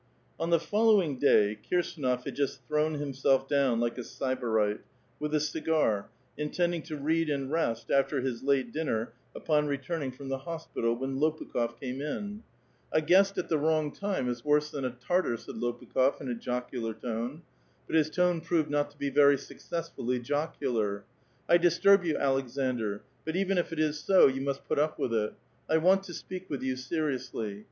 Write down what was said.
On the following day, Kirsdnof had just thrown himself down like a sybarite, with a cigar, intending to read and rest after his late dinner upon returning from the hospital, when Lopukh6f came in. A VITAL QUESTION. 247 A guest at the wroug time is worse than a Tartar," said ^pukiiof, ill a jocular loue ; but his tone proved not to be ^^0' succebslully jocular. *' I disturb you, Aleksaudr ; but even if it is so, you must put up with it. I want to speak ^ J'ou seriously.